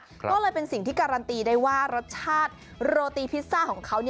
ก็เลยเป็นสิ่งที่การันตีได้ว่ารสชาติโรตีพิซซ่าของเขา